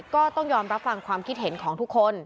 ก็ต้องยอมรับฟังความคิดเห็นของทุกคน